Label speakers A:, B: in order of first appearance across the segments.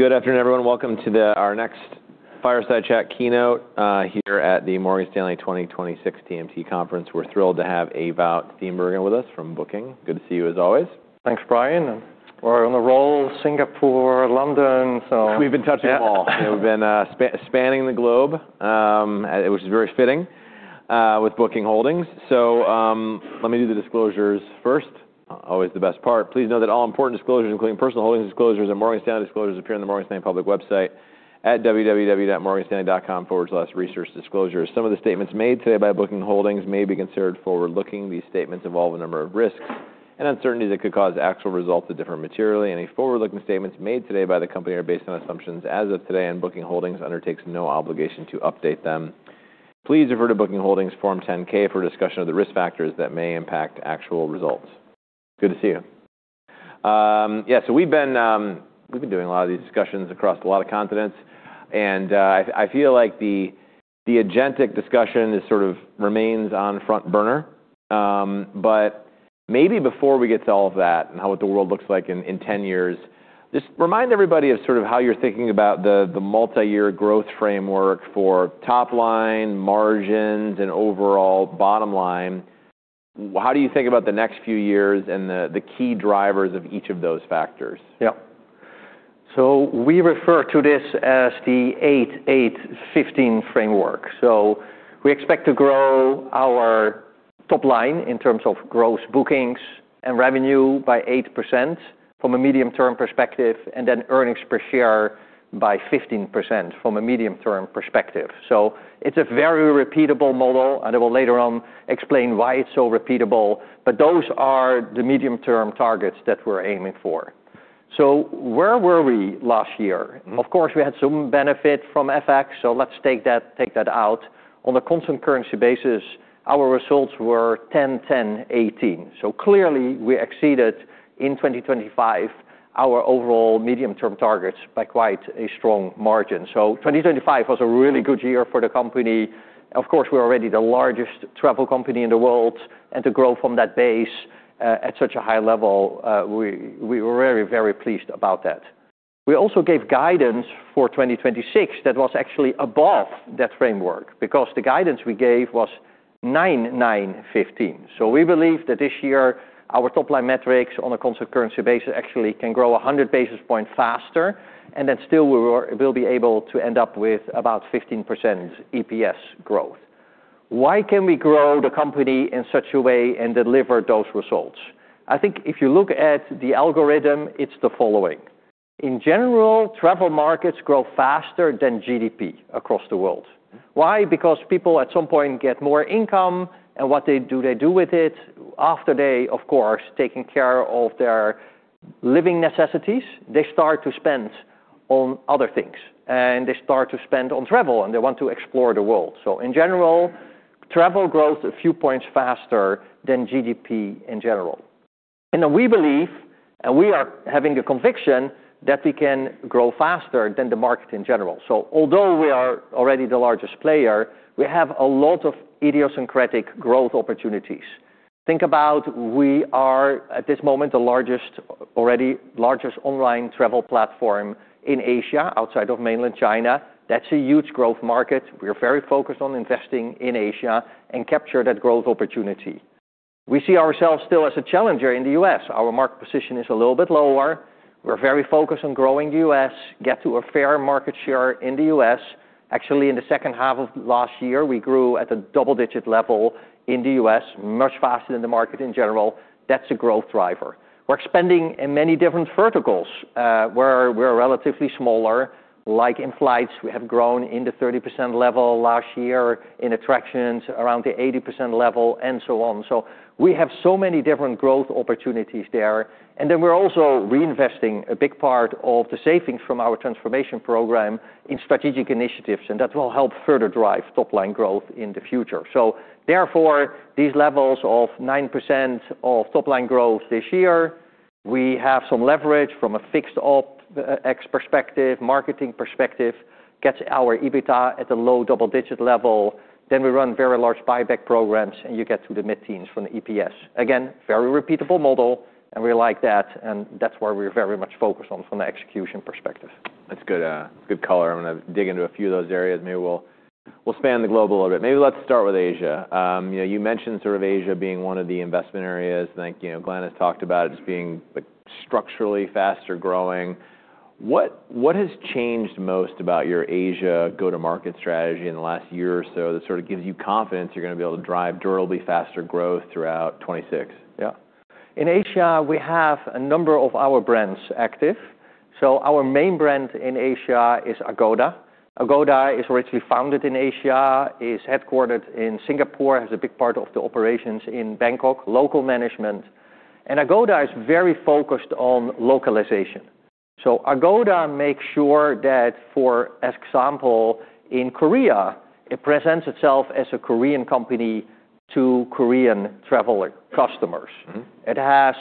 A: All right. Good afternoon, everyone. Welcome to our next Fireside Chat keynote, here at the Morgan Stanley 2026 TMT conference. We're thrilled to have Ewout Steenbergen with us from Booking. Good to see you as always.
B: Thanks, Brian. We're on a roll, Singapore, London, so.
A: We've been touching them all.
B: Yeah.
A: We've been spanning the globe, which is very fitting with Booking Holdings. Let me do the disclosures first. Always the best part. Please know that all important disclosures, including personal holdings disclosures and Morgan Stanley disclosures, appear on the Morgan Stanley public website at www.morganstanley.com/researchdisclosures. Some of the statements made today by Booking Holdings may be considered forward-looking. These statements involve a number of risks and uncertainties that could cause actual results to differ materially. Any forward-looking statements made today by the company are based on assumptions as of today, Booking Holdings undertakes no obligation to update them. Please refer to Booking Holdings Form 10-K for a discussion of the risk factors that may impact actual results. Good to see you. Yeah, we've been doing a lot of these discussions across a lot of continents, and I feel like the agentic discussion is sort of remains on front burner. Maybe before we get to all of that and how, what the world looks like in 10 years, just remind everybody of sort of how you're thinking about the multi-year growth framework for top line margins and overall bottom line. How do you think about the next few years and the key drivers of each of those factors?
B: Yeah. We refer to this as the eight/eight/fifteen framework. We expect to grow our top line in terms of gross bookings and revenue by 8% from a medium-term perspective, and then earnings per share by 15% from a medium-term perspective. It's a very repeatable model, and I will later on explain why it's so repeatable, but those are the medium-term targets that we're aiming for. Where were we last year? Of course, we had some benefit from FX, so let's take that, take that out. On a constant currency basis, our results were 10%/10%/18%. Clearly we exceeded in 2025 our overall medium-term targets by quite a strong margin. 2025 was a really good year for the company. Of course, we're already the largest travel company in the world, and to grow from that base, at such a high level, we were very, very pleased about that. We also gave guidance for 2026 that was actually above that framework because the guidance we gave was 9/9/15. We believe that this year, our top-line metrics on a constant currency basis actually can grow 100 basis points faster, and then still we'll be able to end up with about 15% EPS growth. Why can we grow the company in such a way and deliver those results? I think if you look at the algorithm, it's the following. In general, travel markets grow faster than GDP across the world. Why? People at some point get more income, and what they do, they do with it after they, of course, taking care of their living necessities, they start to spend on other things, and they start to spend on travel, and they want to explore the world. In general, travel grows a few points faster than GDP in general. We believe, and we are having a conviction, that we can grow faster than the market in general. Although we are already the largest player, we have a lot of idiosyncratic growth opportunities. Think about we are, at this moment, the already largest online travel platform in Asia, outside of mainland China. That's a huge growth market. We are very focused on investing in Asia and capture that growth opportunity. We see ourselves still as a challenger in the U.S. Our market position is a little bit lower. We're very focused on growing U.S., get to a fair market share in the U.S. Actually, in the second half of last year, we grew at a double-digit level in the U.S., much faster than the market in general. That's a growth driver. We're expanding in many different verticals, where we're relatively smaller, like in flights, we have grown in the 30% level last year, in attractions around the 80% level, and so on. We have so many different growth opportunities there. We're also reinvesting a big part of the savings from our transformation program in strategic initiatives, and that will help further drive top-line growth in the future. Therefore, these levels of 9% of top-line growth this year, we have some leverage from a fixed OpEx perspective, marketing perspective, gets our EBITDA at a low double-digit level. We run very large buyback programs, and you get to the mid-teens from the EPS. Again, very repeatable model, and we like that, and that's where we're very much focused on from the execution perspective.
A: That's good color. I'm gonna dig into a few of those areas. Maybe we'll span the globe a little bit. Maybe let's start with Asia. You know, you mentioned sort of Asia being one of the investment areas. I think, you know, Glenn has talked about it as being structurally faster growing. What has changed most about your Asia go-to-market strategy in the last year or so that sort of gives you confidence you're gonna be able to drive durably faster growth throughout 2026?
B: Yeah. In Asia, we have a number of our brands active. Our main brand in Asia is Agoda. Agoda is originally founded in Asia, is headquartered in Singapore, has a big part of the operations in Bangkok, local management. Agoda is very focused on localization. Agoda makes sure that, for example, in Korea, it presents itself as a Korean company to Korean travel customers.
A: Mm-hmm.
B: It has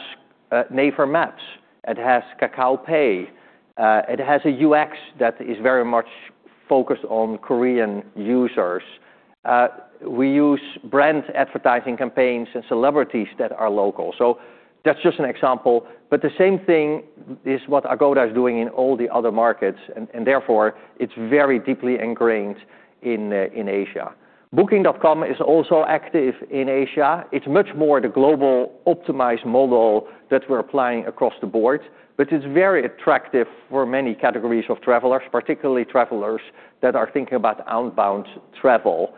B: Naver Maps, it has KakaoPay, it has a UX that is very much focused on Korean users. We use brand advertising campaigns and celebrities that are local. That's just an example. The same thing is what Agoda is doing in all the other markets, and therefore it's very deeply ingrained in Asia. Booking.com is also active in Asia. It's much more the global optimized model that we're applying across the board, but it's very attractive for many categories of travelers, particularly travelers that are thinking about outbound travel.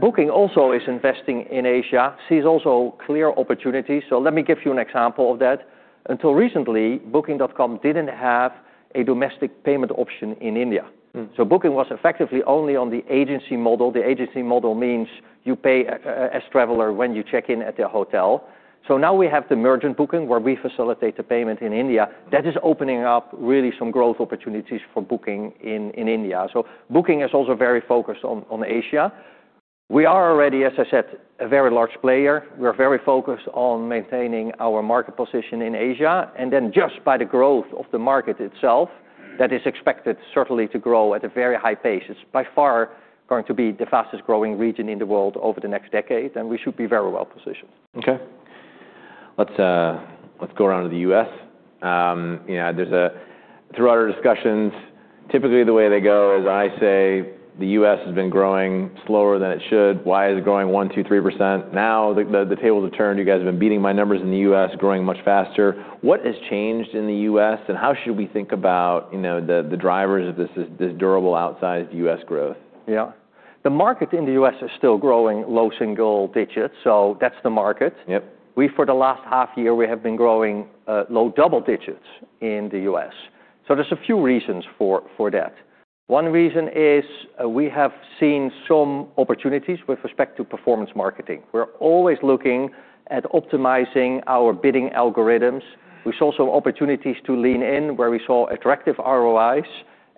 B: Booking also is investing in Asia, sees also clear opportunities. Let me give you an example of that. Until recently, Booking.com didn't have a domestic payment option in India.
A: Mm.
B: Booking was effectively only on the agency model. The agency model means you pay as traveler when you check in at the hotel. Now we have the merchant booking, where we facilitate the payment in India. That is opening up really some growth opportunities for Booking in India. Booking is also very focused on Asia. We are already, as I said, a very large player. We are very focused on maintaining our market position in Asia. Just by the growth of the market itself, that is expected certainly to grow at a very high pace. It's by far going to be the fastest-growing region in the world over the next decade, and we should be very well positioned.
A: Okay. Let's go around to the U.S. You know, throughout our discussions, typically the way they go is I say the U.S. has been growing slower than it should. Why is it growing 1%, 2%, 3%? Now the tables have turned. You guys have been beating my numbers in the U.S., growing much faster. What has changed in the U.S., and how should we think about, you know, the drivers of this durable outsized U.S. growth?
B: Yeah. The market in the U.S. is still growing low single digits, so that's the market.
A: Yep.
B: For the last half year, we have been growing low double digits in the U.S. There's a few reasons for that. One reason is we have seen some opportunities with respect to performance marketing. We're always looking at optimizing our bidding algorithms. We saw some opportunities to lean in where we saw attractive ROIs,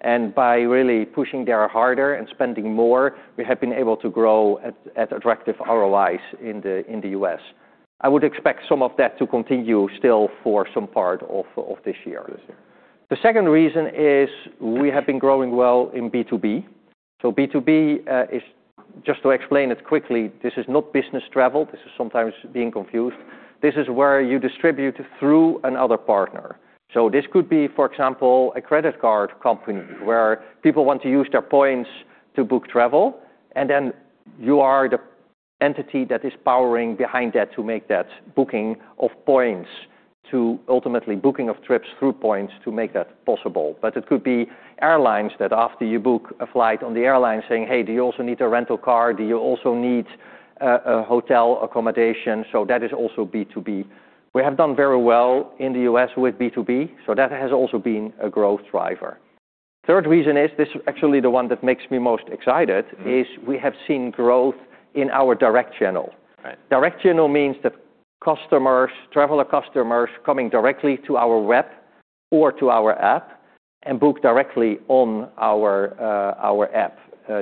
B: and by really pushing there harder and spending more, we have been able to grow at attractive ROIs in the U.S. I would expect some of that to continue still for some part of this year.
A: This year.
B: The second reason is we have been growing well in B2B. B2B, Just to explain it quickly, this is not business travel. This is sometimes being confused. This is where you distribute through another partner. This could be, for example, a credit card company where people want to use their points to book travel, and then you are the entity that is powering behind that to make that booking of points to ultimately booking of trips through points to make that possible. It could be airlines that after you book a flight on the airline saying, "Hey, do you also need a rental car? Do you also need a hotel accommodation?" That is also B2B. We have done very well in the U.S. with B2B, so that has also been a growth driver. Third reason is, this is actually the one that makes me most excited.
A: Mm-hmm
B: is we have seen growth in our direct channel.
A: Right.
B: Direct channel means that customers, traveler customers coming directly to our web or to our app and book directly on our app,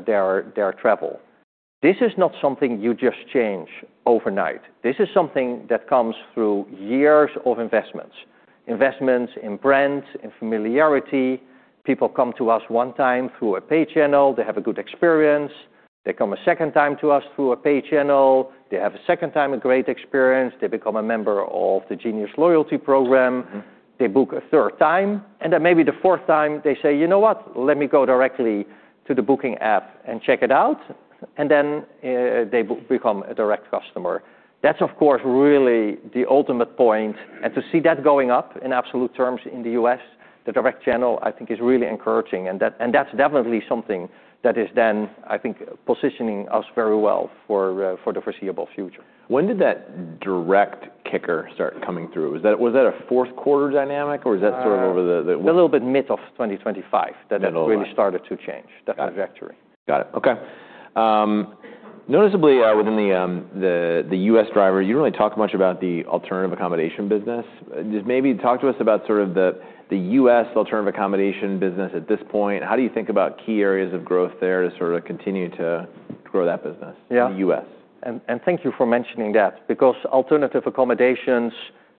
B: their travel. This is not something you just change overnight. This is something that comes through years of investments. Investments in brand, in familiarity. People come to us one time through a paid channel. They have a good experience. They come a second time to us through a paid channel. They have a second time a great experience. They become a member of the Genius loyalty program.
A: Mm-hmm.
B: They book a 3rd time, and then maybe the 4th time, they say, "You know what? Let me go directly to the Booking app and check it out." They become a direct customer. That's, of course, really the ultimate point. To see that going up in absolute terms in the U.S., the direct channel, I think is really encouraging. That's definitely something that is then, I think, positioning us very well for the foreseeable future.
A: When did that direct kicker start coming through? Was that a fourth quarter dynamic, or is that sort of over the?
B: A little bit mid of 2025.
A: Mid of...
B: It really started to change, the trajectory.
A: Got it. Okay. Noticeably, within the U.S. driver, you don't really talk much about the alternative accommodation business. Just maybe talk to us about sort of the U.S. alternative accommodation business at this point. How do you think about key areas of growth there to sort of continue to grow that business?
B: Yeah...
A: in the U.S.?
B: Thank you for mentioning that because alternative accommodations,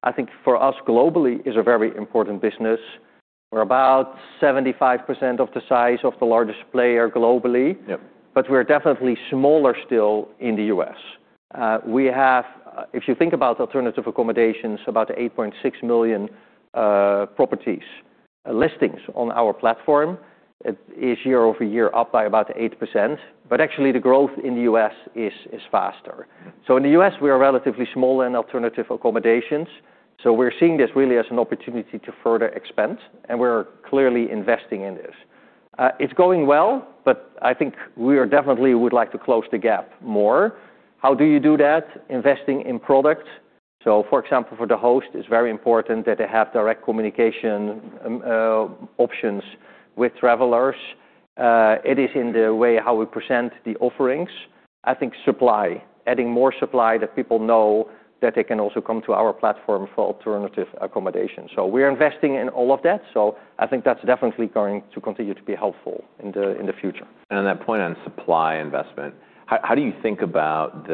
B: I think for us globally, is a very important business. We're about 75% of the size of the largest player globally.
A: Yep.
B: We're definitely smaller still in the U.S.. We have, if you think about alternative accommodations, about 8.6 million properties, listings on our platform. It is year-over-year up by about 8%. Actually the growth in the U.S. is faster. In the U.S., we are relatively small in alternative accommodations. We're seeing this really as an opportunity to further expand, and we're clearly investing in this. It's going well, I think we are definitely would like to close the gap more. How do you do that? Investing in product. For example, for the host, it's very important that they have direct communication options with travelers. It is in the way how we present the offerings. I think supply, adding more supply that people know that they can also come to our platform for alternative accommodation. We're investing in all of that. I think that's definitely going to continue to be helpful in the future.
A: On that point on supply investment, how do you think about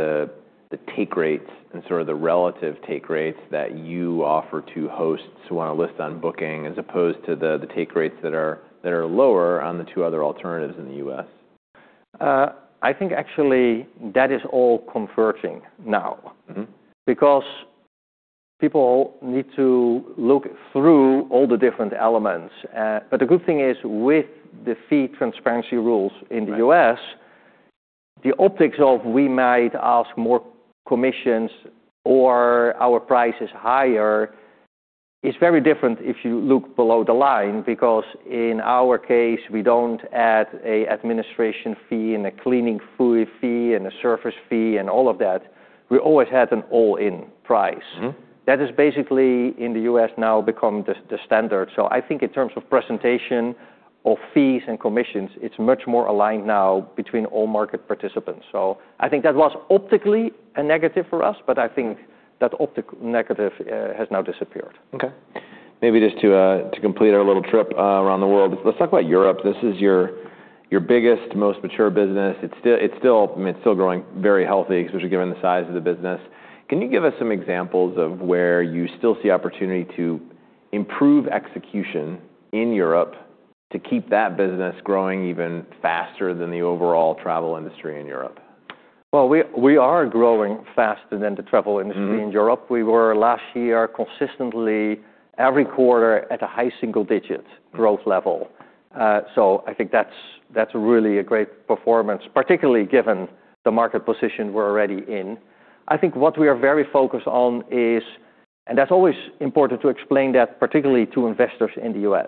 A: the take rates and sort of the relative take rates that you offer to hosts who want to list on Booking as opposed to the take rates that are lower on the two other alternatives in the U.S.?
B: I think actually that is all converging now.
A: Mm-hmm.
B: People need to look through all the different elements. The good thing is with the fee transparency rules in the U.S., the optics of we might ask more commissions or our price is higher is very different if you look below the line. In our case, we don't add a administration fee and a cleaning fee, and a service fee, and all of that. We always had an all-in price.
A: Mm-hmm.
B: That has basically in the U.S. now become the standard. I think in terms of presentation of fees and commissions, it's much more aligned now between all market participants. I think that was optically a negative for us, but I think that optic negative has now disappeared.
A: Okay. Maybe just to complete our little trip around the world, let's talk about Europe. This is your biggest, most mature business. It's still, I mean, it's still growing very healthy, especially given the size of the business. Can you give us some examples of where you still see opportunity to improve execution in Europe to keep that business growing even faster than the overall travel industry in Europe?
B: Well, we are growing faster than the travel industry in Europe.
A: Mm-hmm.
B: We were last year consistently every quarter at a high single-digit growth level. I think that's really a great performance, particularly given the market position we're already in. I think what we are very focused on is. That's always important to explain that, particularly to investors in the U.S.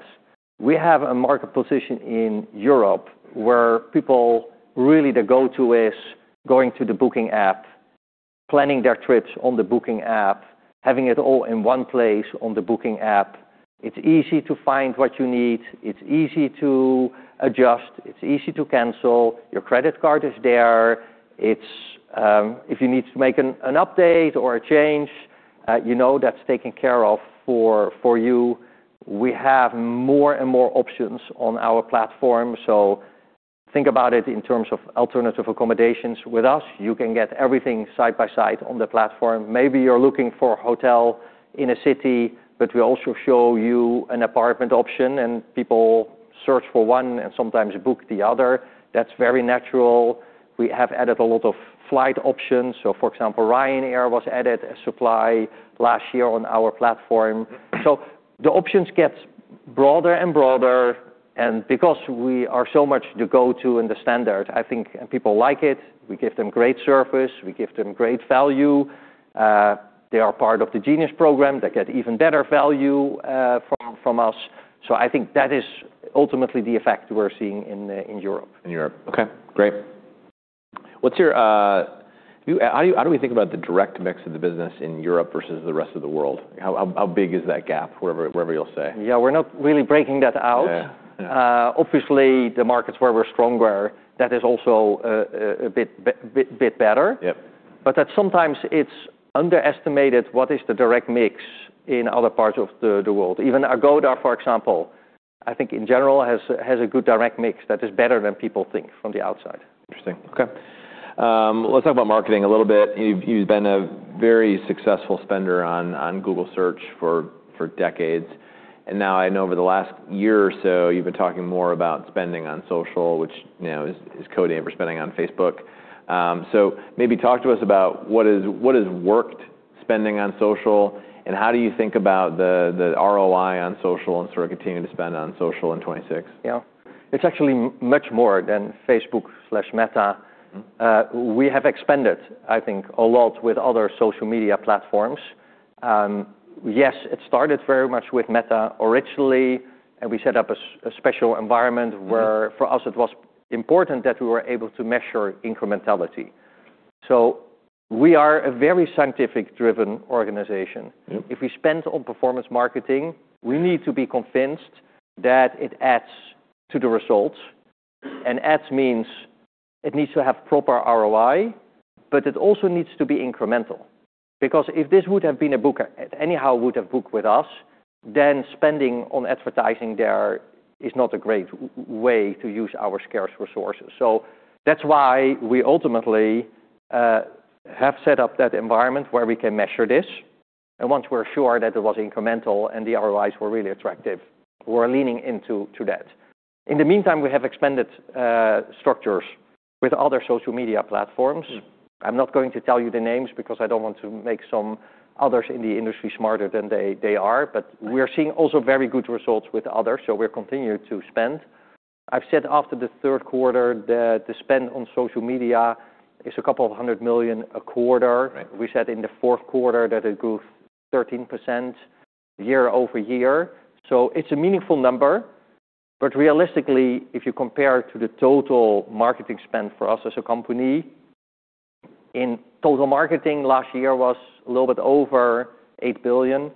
B: We have a market position in Europe where people really the go-to is going to the Booking app, planning their trips on the Booking app, having it all in one place on the Booking app. It's easy to find what you need. It's easy to adjust. It's easy to cancel. Your credit card is there. It's, if you need to make an update or a change, you know that's taken care of for you. We have more and more options on our platform. Think about it in terms of alternative accommodations with us. You can get everything side by side on the platform. Maybe you're looking for a hotel in a city, but we also show you an apartment option, and people search for one and sometimes book the other. That's very natural. We have added a lot of flight options. For example, Ryanair was added as supply last year on our platform. The options get broader and broader. Because we are so much the go-to and the standard, I think, and people like it. We give them great service. We give them great value. They are part of the Genius program. They get even better value from us. I think that is ultimately the effect we're seeing in Europe.
A: In Europe. Okay, great. What's your How do we think about the direct mix of the business in Europe versus the rest of the world? How, how big is that gap, wherever you'll say?
B: Yeah, we're not really breaking that out.
A: Yeah.
B: obviously, the markets where we're stronger, that is also, a bit better.
A: Yep.
B: That sometimes it's underestimated what is the direct mix in other parts of the world. Even Agoda, for example, I think in general has a good direct mix that is better than people think from the outside.
A: Interesting. Okay. Let's talk about marketing a little bit. You've been a very successful spender on Google Search for decades. Now I know over the last year or so, you've been talking more about spending on social, which, you know, is code name for spending on Facebook. Maybe talk to us about what has worked spending on social, and how do you think about the ROI on social and sort of continuing to spend on social in 2026?
B: Yeah. It's actually much more than Facebook/Meta.
A: Mm-hmm.
B: We have expanded, I think, a lot with other social media platforms. Yes, it started very much with Meta originally. We set up a special environment where for us, it was important that we were able to measure incrementality. We are a very scientific-driven organization.
A: Mm-hmm.
B: If we spend on performance marketing, we need to be convinced that it adds to the results. Adds means it needs to have proper ROI, but it also needs to be incremental. If this would have been a booker, anyhow would have booked with us, then spending on advertising there is not a great way to use our scarce resources. That's why we ultimately have set up that environment where we can measure this. Once we're sure that it was incremental and the ROIs were really attractive, we're leaning into that. In the meantime, we have expanded structures with other social media platforms.
A: Mm-hmm.
B: I'm not going to tell you the names because I don't want to make some others in the industry smarter than they are.
A: Right.
B: We are seeing also very good results with others, so we're continuing to spend. I've said after the third quarter that the spend on social media is a couple of $100 million a quarter.
A: Right.
B: We said in the fourth quarter that it grew 13% year-over-year. It's a meaningful number. Realistically, if you compare to the total marketing spend for us as a company, in total marketing last year was a little bit over $8 billion.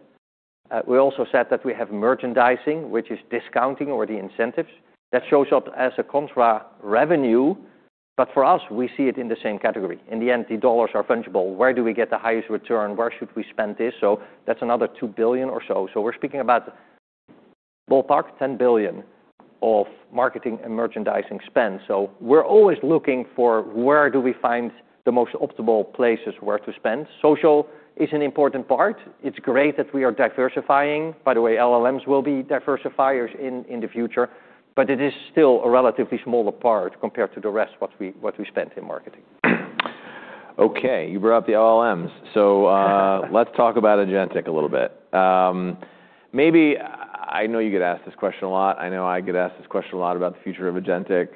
B: We also said that we have merchandising, which is discounting or the incentives. That shows up as a contra revenue. For us, we see it in the same category. In the end, the dollars are fungible. Where do we get the highest return? Where should we spend this? That's another $2 billion or so. We're speaking about ballpark $10 billion of marketing and merchandising spend. We're always looking for where do we find the most optimal places where to spend. Social is an important part. It's great that we are diversifying. LLMs will be diversifiers in the future, but it is still a relatively smaller part compared to the rest, what we spent in marketing.
A: Okay, you brought up the LLMs. Let's talk about agentic a little bit. I know you get asked this question a lot. I know I get asked this question a lot about the future of agentic.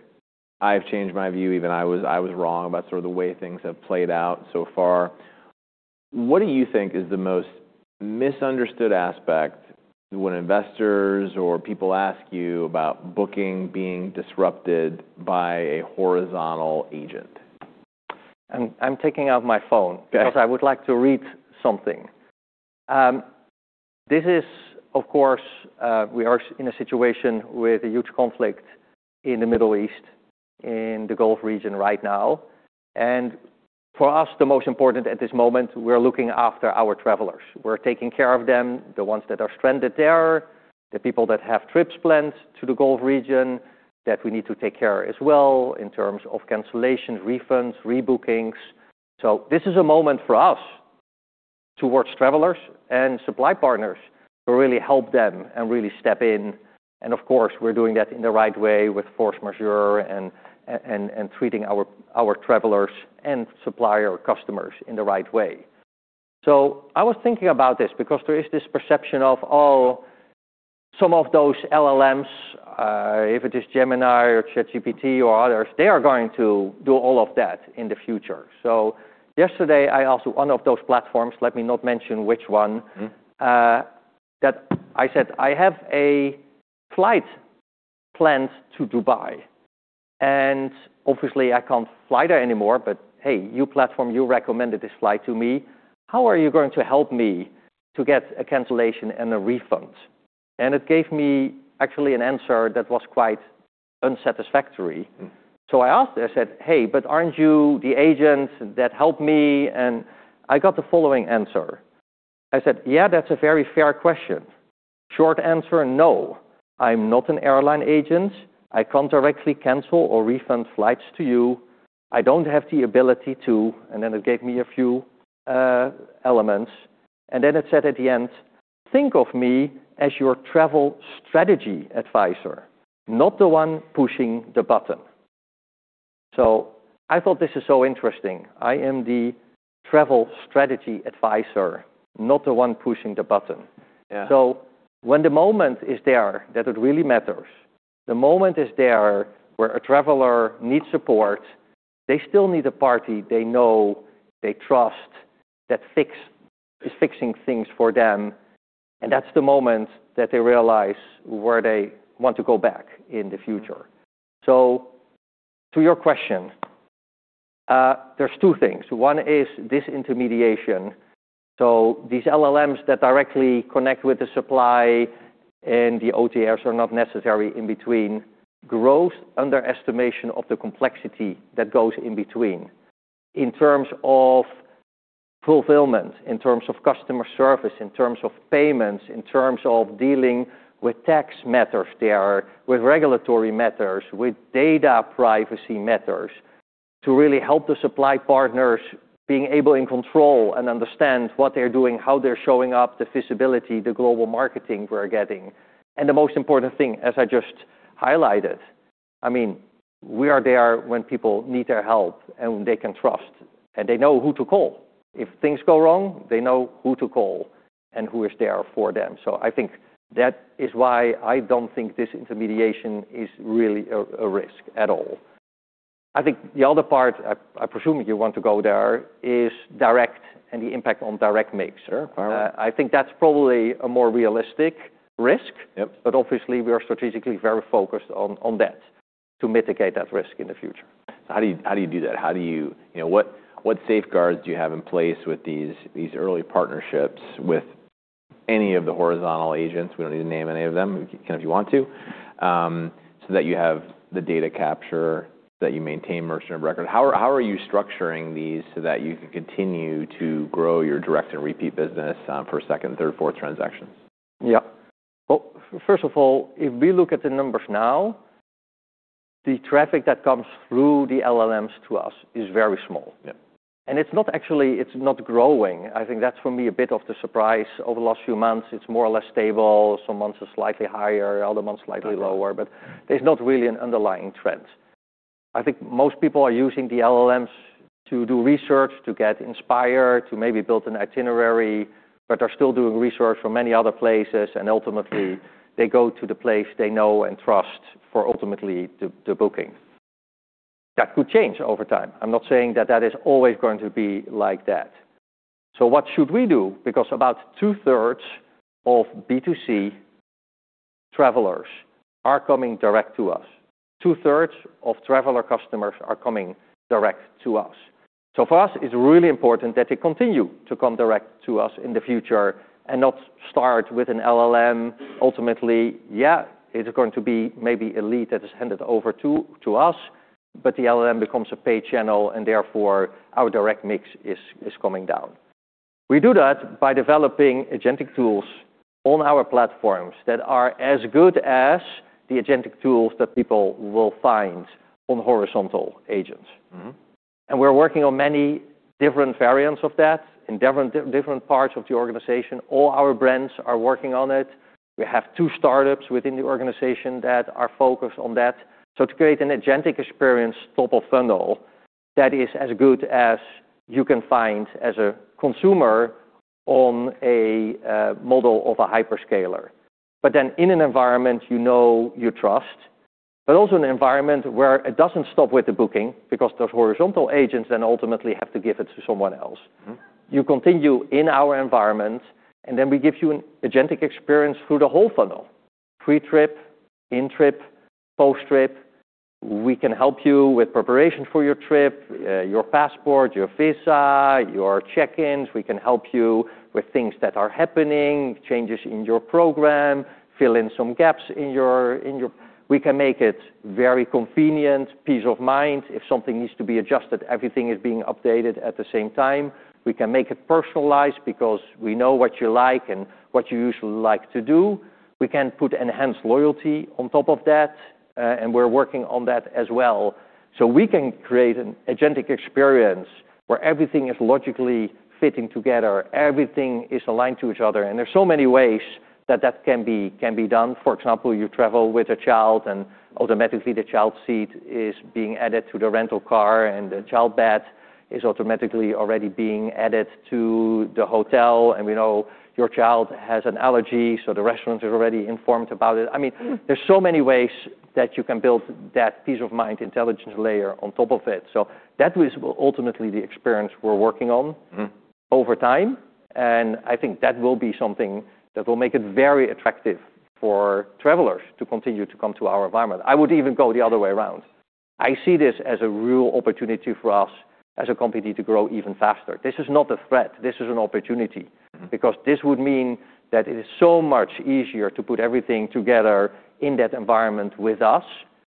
A: I've changed my view even. I was wrong about sort of the way things have played out so far. What do you think is the most misunderstood aspect when investors or people ask you about Booking being disrupted by a horizontal agent?
B: I'm taking out my phone.
A: Okay.
B: because I would like to read something. This is of course, we are in a situation with a huge conflict in the Middle East, in the Gulf region right now. For us, the most important at this moment, we're looking after our travelers. We're taking care of them, the ones that are stranded there, the people that have trips planned to the Gulf region that we need to take care as well in terms of cancellations, refunds, rebookings. This is a moment for us towards travelers and supply partners to really help them and really step in. Of course, we're doing that in the right way with force majeure and treating our travelers and supplier customers in the right way. I was thinking about this because there is this perception of, oh, some of those LLMs, if it is Gemini or ChatGPT or others, they are going to do all of that in the future. Yesterday, I asked one of those platforms, let me not mention which one.
A: Mm-hmm.
B: that I said, "I have a flight planned to Dubai, and obviously I can't fly there anymore. But hey, you platform, you recommended this flight to me. How are you going to help me to get a cancellation and a refund?" It gave me actually an answer that was quite unsatisfactory.
A: Mm-hmm.
B: I asked, I said, "Hey, but aren't you the agent that helped me?" I got the following answer. I said, "Yeah, that's a very fair question. Short answer, no. I'm not an airline agent. I can't directly cancel or refund flights to you. I don't have the ability to." Then it gave me a few elements. Then it said at the end, "Think of me as your travel strategy advisor, not the one pushing the button." I thought, this is so interesting. I am the travel strategy advisor, not the one pushing the button.
A: Yeah.
B: When the moment is there, that it really matters. The moment is there where a traveler needs support, they still need a party they know, they trust that is fixing things for them, and that's the moment that they realize where they want to go back in the future. To your question, there's 2 things. 1 is disintermediation. These LLMs that directly connect with the supply and the OTAs are not necessary in between growth underestimation of the complexity that goes in between in terms of fulfillment, in terms of customer service, in terms of payments, in terms of dealing with tax matters there, with regulatory matters, with data privacy matters, to really help the supply partners being able in control and understand what they're doing, how they're showing up, the visibility, the global marketing we're getting. The most important thing, as I just highlighted, I mean, we are there when people need their help and they can trust, and they know who to call. If things go wrong, they know who to call and who is there for them. I think that is why I don't think disintermediation is really a risk at all. The other part, I presume you want to go there, is direct and the impact on direct mix.
A: All right.
B: I think that's probably a more realistic risk.
A: Yep.
B: obviously we are strategically very focused on that to mitigate that risk in the future.
A: How do you do that? You know, what safeguards do you have in place with these early partnerships with any of the horizontal agents, we don't need to name any of them. We can if you want to. so that you have the data capture that you maintain merchant of record. How are you structuring these so that you can continue to grow your direct and repeat business, for second, third, fourth transactions?
B: Yeah. Well, first of all, if we look at the numbers now, the traffic that comes through the LLMs to us is very small.
A: Yeah.
B: It's not actually, it's not growing. I think that's for me, a bit of the surprise. Over the last few months, it's more or less stable. Some months are slightly higher, other months slightly lower.
A: Okay.
B: There's not really an underlying trend. I think most people are using the LLMs to do research, to get inspired, to maybe build an itinerary, but are still doing research from many other places, and ultimately they go to the place they know and trust for ultimately the booking. That could change over time. I'm not saying that that is always going to be like that. What should we do? Because about two-thirds of B2C travelers are coming direct to us. Two-thirds of traveler customers are coming direct to us. For us, it's really important that they continue to come direct to us in the future and not start with an LLM. Ultimately, yeah, it's going to be maybe a lead that is handed over to us, but the LLM becomes a paid channel and therefore our direct mix is coming down. We do that by developing agentic tools on our platforms that are as good as the agentic tools that people will find on horizontal agents.
A: Mm-hmm.
B: We're working on many different variants of that in different parts of the organization. All our brands are working on it. We have two startups within the organization that are focused on that. To create an agentic experience top of funnel. That is as good as you can find as a consumer on a model of a hyperscaler. In an environment you know you trust, but also an environment where it doesn't stop with the booking because those horizontal agents then ultimately have to give it to someone else.
A: Mm-hmm.
B: You continue in our environment. We give you an agentic experience through the whole funnel, pre-trip, in-trip, post-trip. We can help you with preparation for your trip, your passport, your visa, your check-ins. We can help you with things that are happening, changes in your program, fill in some gaps in your... We can make it very convenient, peace of mind. If something needs to be adjusted, everything is being updated at the same time. We can make it personalized because we know what you like and what you usually like to do. We can put enhanced loyalty on top of that, and we're working on that as well. We can create an agentic experience where everything is logically fitting together, everything is aligned to each other, and there's so many ways that that can be, can be done. For example, you travel with a child, and automatically the child seat is being added to the rental car, and the child bed is automatically already being added to the hotel. We know your child has an allergy, so the restaurant is already informed about it. I mean.
A: Mm-hmm...
B: there's so many ways that you can build that peace of mind intelligence layer on top of it. That is ultimately the experience we're working on.
A: Mm-hmm...
B: over time, and I think that will be something that will make it very attractive for travelers to continue to come to our environment. I would even go the other way around. I see this as a real opportunity for us as a company to grow even faster. This is not a threat. This is an opportunity.
A: Mm-hmm.
B: This would mean that it is so much easier to put everything together in that environment with us.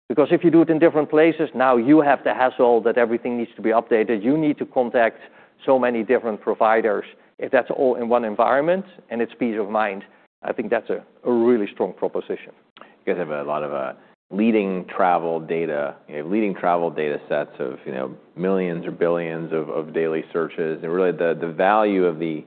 B: If you do it in different places, now you have the hassle that everything needs to be updated. You need to contact so many different providers. If that's all in one environment and it's peace of mind, I think that's a really strong proposition.
A: You guys have a lot of leading travel data, leading travel data sets of, you know, millions or billions of daily searches. Really, the value of the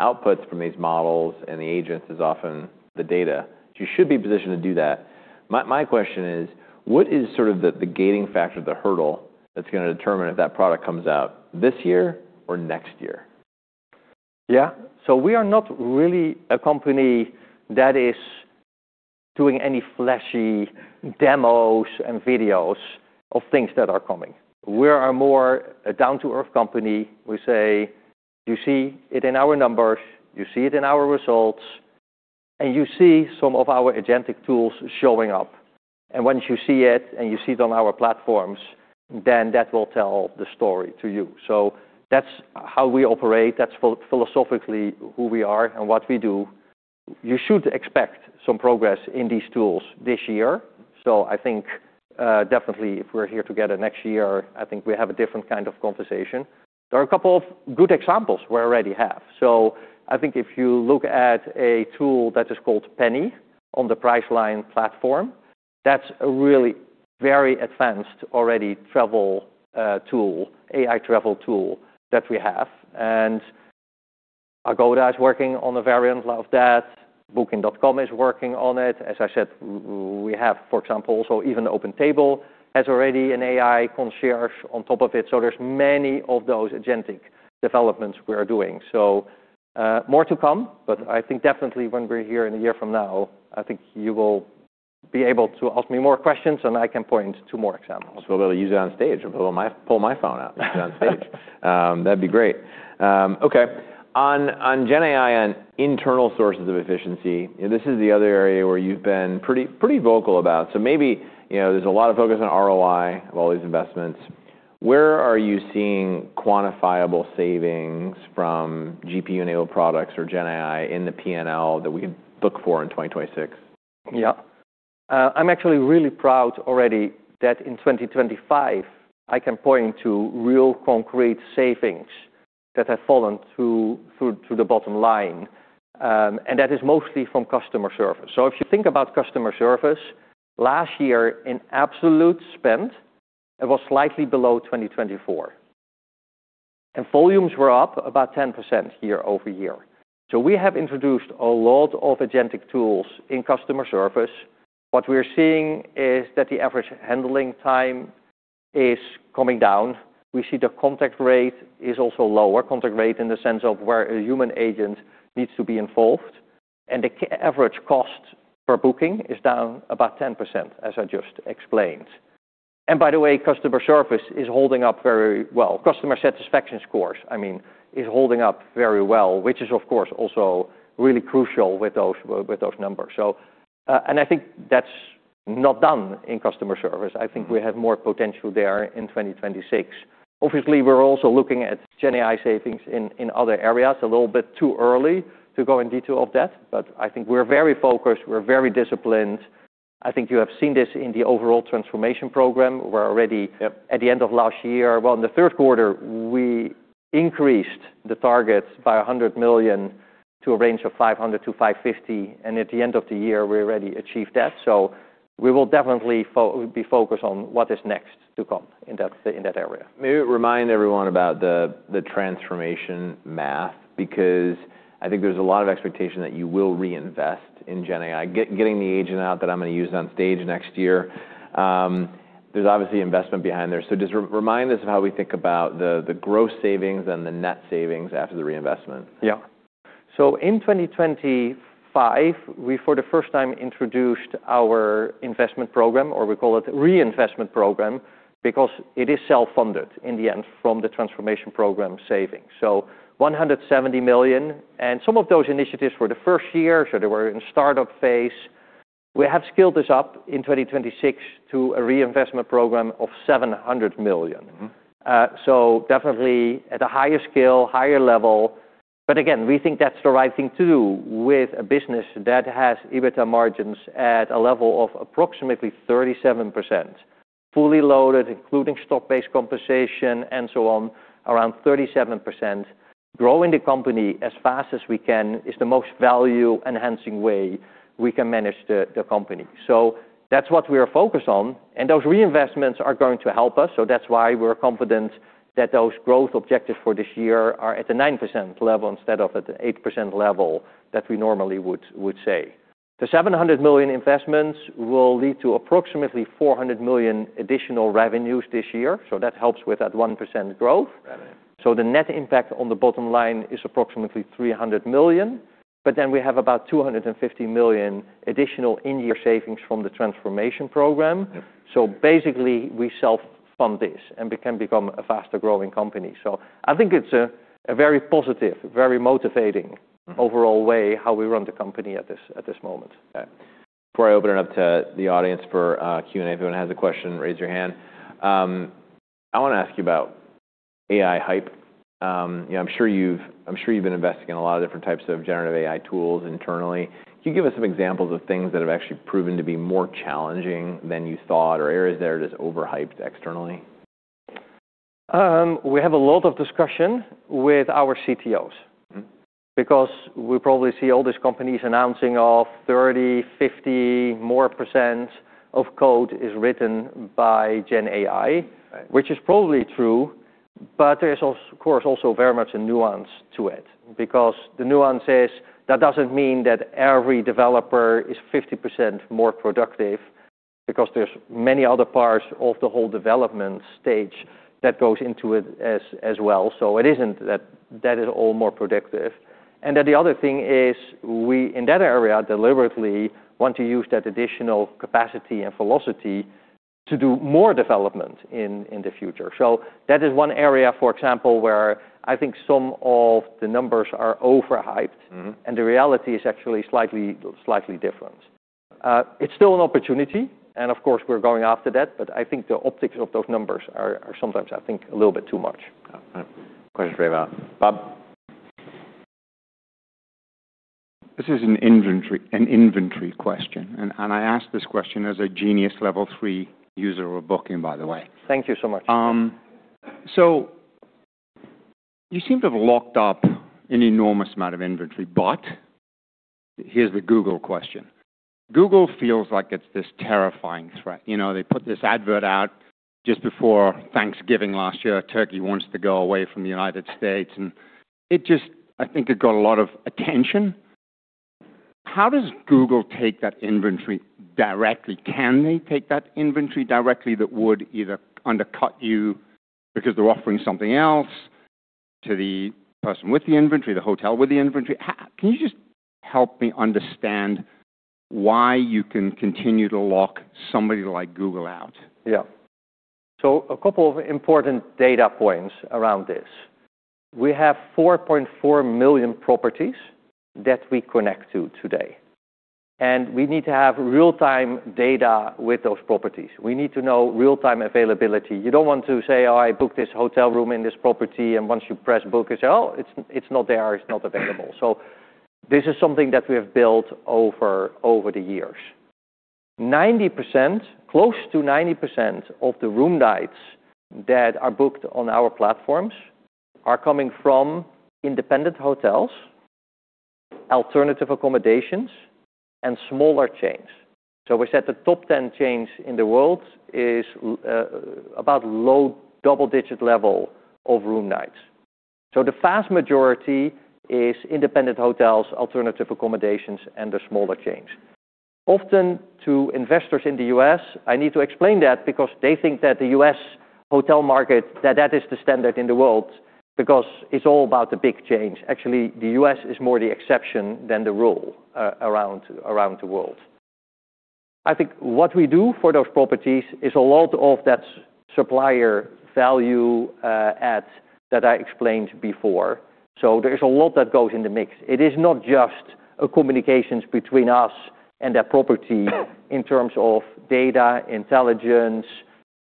A: outputs from these models and the agents is often the data. You should be positioned to do that. My question is, what is sort of the gating factor, the hurdle that's gonna determine if that product comes out this year or next year?
B: Yeah. We are not really a company that is doing any flashy demos and videos of things that are coming. We are more a down-to-earth company. We say, "You see it in our numbers, you see it in our results, and you see some of our agentic tools showing up. Once you see it and you see it on our platforms, then that will tell the story to you." That's how we operate. That's philosophically who we are and what we do. You should expect some progress in these tools this year. I think, definitely if we're here together next year, I think we have a different kind of conversation. There are a couple of good examples we already have. I think if you look at a tool that is called Penny on the Priceline platform, that's a really very advanced already travel tool, AI travel tool that we have. Agoda is working on a variant of that. Booking.com is working on it. As I said, for example, even OpenTable has already an AI concierge on top of it. There are many of those agentic developments we are doing. More to come, but I think definitely when we're here in a year from now, I think you will be able to ask me more questions, and I can point to more examples.
A: We'll use it on stage. I'll pull my phone out and use it on stage. Okay. On gen AI and internal sources of efficiency, this is the other area where you've been pretty vocal about. Maybe, you know, there's a lot of focus on ROI of all these investments. Where are you seeing quantifiable savings from GPU-enabled products or gen AI in the P&L that we can look for in 2026?
B: Yeah. I'm actually really proud already that in 2025, I can point to real concrete savings that have fallen through to the bottom line, and that is mostly from customer service. If you think about customer service, last year in absolute spend, it was slightly below 2024, and volumes were up about 10% year-over-year. We have introduced a lot of agentic tools in customer service. What we're seeing is that the average handling time is coming down. We see the contact rate is also lower, contact rate in the sense of where a human agent needs to be involved. The average cost per booking is down about 10%, as I just explained. By the way, customer service is holding up very well. Customer satisfaction scores, I mean, is holding up very well, which is of course also really crucial with those numbers. I think that's not done in customer service.
A: Mm-hmm.
B: I think we have more potential there in 2026. Obviously, we're also looking at Gen AI savings in other areas. A little bit too early to go in detail of that, but I think we're very focused. We're very disciplined. I think you have seen this in the overall transformation program. We're already
A: Yep...
B: at the end of last year. Well, in the third quarter, we increased the targets by $100 million to a range of $500 million-$550 million, and at the end of the year, we already achieved that. We will definitely be focused on what is next to come in that area.
A: Maybe remind everyone about the transformation math because I think there's a lot of expectation that you will reinvest in Gen AI. Getting the agent out that I'm gonna use on stage next year, there's obviously investment behind there. Just remind us of how we think about the gross savings and the net savings after the reinvestment.
B: Yeah. In 2025, we for the first time introduced our investment program, or we call it reinvestment program, because it is self-funded in the end from the transformation program savings. $170 million, and some of those initiatives were the first year, so they were in startup phase. We have scaled this up in 2026 to a reinvestment program of $700 million.
A: Mm-hmm.
B: Definitely at a higher scale, higher level. We think that's the right thing to do with a business that has EBITDA margins at a level of approximately 37%, fully loaded, including stock-based compensation and so on, around 37%. Growing the company as fast as we can is the most value-enhancing way we can manage the company. That's what we are focused on, and those reinvestments are going to help us. That's why we're confident that those growth objectives for this year are at the 9% level instead of at the 8% level that we normally would say. The $700 million investments will lead to approximately $400 million additional revenues this year, so that helps with that 1% growth.
A: Got it.
B: The net impact on the bottom line is approximately $300 million. We have about $250 million additional in-year savings from the transformation program.
A: Yep.
B: Basically, we self-fund this and can become a faster-growing company. I think it's a very positive, very motivating.
A: Mm-hmm...
B: overall way how we run the company at this moment. Yeah.
A: Before I open it up to the audience for Q&A, if anyone has a question, raise your hand. I want to ask you about AI hype. You know, I'm sure you've been investing in a lot of different types of generative AI tools internally. Can you give us some examples of things that have actually proven to be more challenging than you thought, or areas that are just overhyped externally?
B: We have a lot of discussion with our CTOs.
A: Mm-hmm.
B: We probably see all these companies announcing, oh, 30%-50% more of code is written by Gen AI.
A: Right.
B: Which is probably true, but there's also very much a nuance to it. Because the nuance is that doesn't mean that every developer is 50% more productive, because there's many other parts of the whole development stage that goes into it as well. It isn't that that is all more productive. The other thing is we, in that area, deliberately want to use that additional capacity and velocity to do more development in the future. That is one area, for example, where I think some of the numbers are overhyped.
A: Mm-hmm.
B: The reality is actually slightly different. It's still an opportunity, and of course, we're going after that, but I think the optics of those numbers are sometimes, I think, a little bit too much.
A: Question for you, Bob.
C: This is an inventory, an inventory question, I ask this question as a Genius level three user of Booking, by the way.
B: Thank you so much.
C: You seem to have locked up an enormous amount of inventory, but here's the Google question. Google feels like it's this terrifying threat. You know, they put this advert out just before Thanksgiving last year. Turkey wants to go away from the United States, and it just... I think it got a lot of attention. How does Google take that inventory directly? Can they take that inventory directly that would either undercut you because they're offering something else to the person with the inventory, the hotel with the inventory? Can you just help me understand why you can continue to lock somebody like Google out?
B: Yeah. A couple of important data points around this. We have 4.4 million properties that we connect to today, and we need to have real-time data with those properties. We need to know real-time availability. You don't want to say, "Oh, I booked this hotel room in this property," and once you press book, you say, "Oh, it's not there. It's not available." This is something that we have built over the years. 90%, close to 90% of the room nights that are booked on our platforms are coming from independent hotels, alternative accommodations, and smaller chains. We said the top 10 chains in the world is about low double-digit level of room nights. The vast majority is independent hotels, alternative accommodations, and the smaller chains. Often to investors in the U.S., I need to explain that because they think that the U.S. hotel market, that that is the standard in the world because it's all about the big chains. Actually, the U.S. is more the exception than the rule around the world. I think what we do for those properties is a lot of that supplier value add that I explained before. There is a lot that goes in the mix. It is not just communications between us and that property in terms of data, intelligence,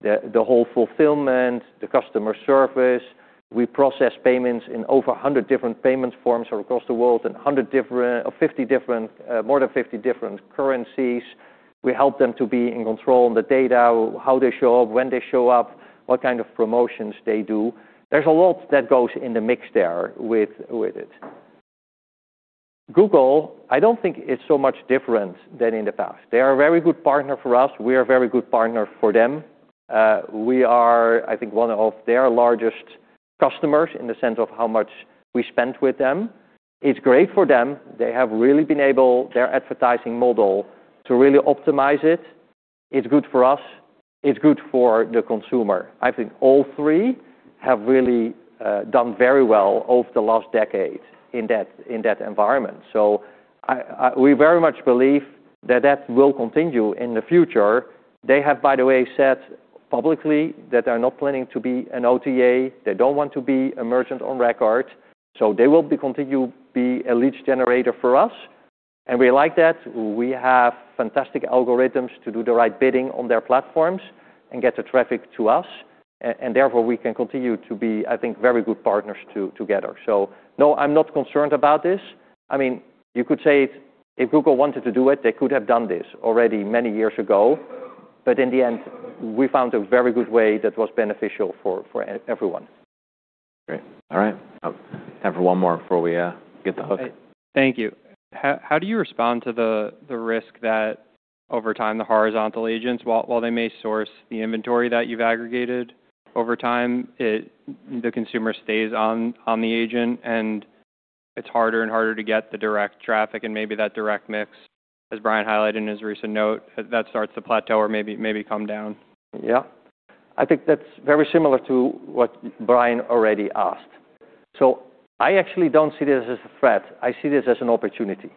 B: the whole fulfillment, the customer service. We process payments in over 100 different payment forms across the world and 100 different, 50 different, more than 50 different currencies. We help them to be in control of the data, how they show up, when they show up, what kind of promotions they do. There's a lot that goes in the mix there with it. Google, I don't think it's so much different than in the past. They are a very good partner for us. We are a very good partner for them. We are, I think, one of their largest customers in the sense of how much we spend with them. It's great for them. They have really been able, their advertising model, to really optimize it. It's good for us, it's good for the consumer. I think all three have really done very well over the last decade in that environment. We very much believe that that will continue in the future. They have, by the way, said publicly that they are not planning to be an OTA. They do not want to be a merchant of record. They will continue to be a lead generator for us, and we like that. We have fantastic algorithms to do the right bidding on their platforms and get the traffic to us. Therefore, we can continue to be, I think, very good partners together. No, I am not concerned about this. I mean, you could say if Google wanted to do it, they could have done this already many years ago. In the end, we found a very good way that was beneficial for everyone.
A: Great. All right. Time for one more before we get the hook.
D: Thank you. How do you respond to the risk that over time, the horizontal agents, while they may source the inventory that you've aggregated over time, the consumer stays on the agent, and it's harder and harder to get the direct traffic and maybe that direct mix, as Brian highlighted in his recent note, starts to plateau or maybe come down?
B: Yeah. I think that's very similar to what Brian already asked. I actually don't see this as a threat. I see this as an opportunity.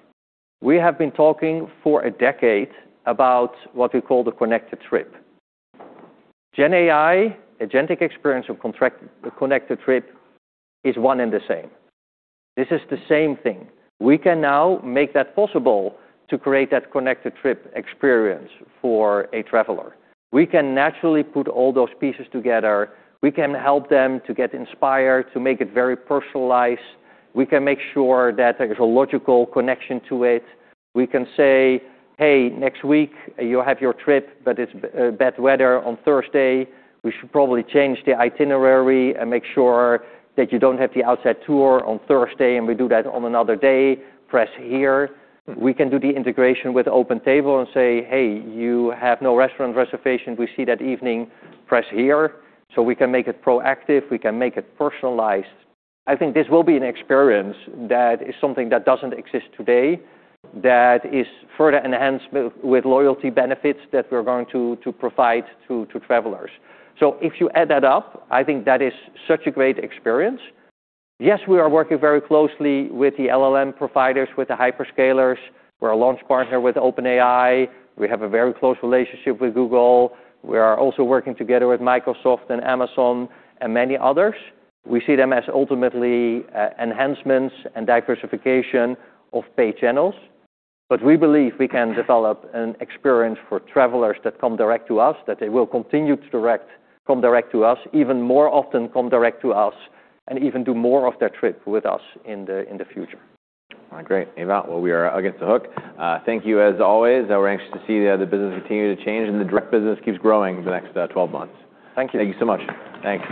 B: We have been talking for a decade about what we call the connected trip. Gen AI, agentic experience of connected trip is one and the same. This is the same thing. We can now make that possible to create that connected trip experience for a traveler. We can naturally put all those pieces together. We can help them to get inspired, to make it very personalized. We can make sure that there's a logical connection to it. We can say, "Hey, next week you have your trip, but it's bad weather on Thursday. We should probably change the itinerary and make sure that you don't have the outside tour on Thursday, and we do that on another day. Press here. We can do the integration with OpenTable and say, "Hey, you have no restaurant reservation. We see that evening. Press here." We can make it proactive. We can make it personalized. I think this will be an experience that is something that doesn't exist today, that is further enhanced with loyalty benefits that we're going to provide to travelers. If you add that up, I think that is such a great experience. Yes, we are working very closely with the LLM providers, with the hyperscalers. We're a launch partner with OpenAI. We have a very close relationship with Google. We are also working together with Microsoft and Amazon and many others. We see them as ultimately, enhancements and diversification of pay channels. We believe we can develop an experience for travelers that come direct to us, that they will continue to come direct to us, even more often come direct to us, and even do more of their trip with us in the future.
A: All right, great. Ewout, well, we are against the hook. Thank you as always. We're anxious to see the other business continue to change and the direct business keeps growing the next 12 months.
B: Thank you.
A: Thank you so much. Thanks.